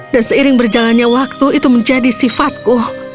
dan seiring berjalannya waktu itu menjadi sifatku